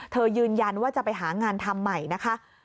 ยืนยันว่าจะไปหางานทำใหม่นะคะ